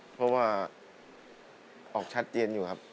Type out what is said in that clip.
เพราะว่าออกชัดเจนอยู่ครับ